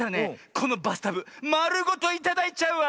このバスタブまるごといただいちゃうわ。